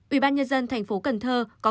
ubnd tp cần thơ có công văn phòng chống dịch